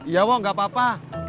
ya wah nggak apa apa